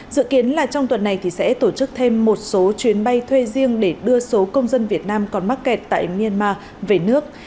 dự kiến là trong tuần này sẽ tổ chức thêm một số chuyến bay thuê riêng để đưa số công dân việt nam còn mắc kẹt tại myanmar về nước